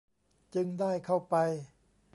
จึงได้เข้าไป